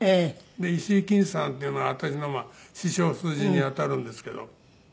で石井均さんっていうのは私の師匠筋にあたるんですけど。